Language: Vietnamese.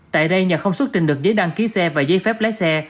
tại đây nhà không xuất trình được giấy đăng ký xe và giấy phép lái xe